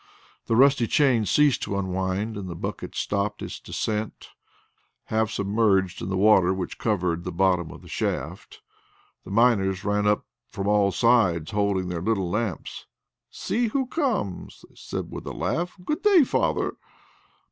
The rusty chain ceased to unwind and the bucket stopped its descent half submerged in the water which covered the bottom of the shaft. The miners ran up from all sides, holding their little lamps. "See who comes!" they said with a laugh. "Good day, father!"